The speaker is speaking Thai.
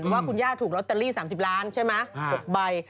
ว่าคุณย่าถูกลอตเตอรี่๓๐ล้านใช่ไหม๖ใบ